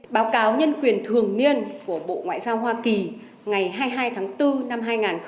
báo cáo nhân quyền thường niên của bộ ngoại giao hoa kỳ ngày hai mươi hai tháng bốn năm hai nghìn hai mươi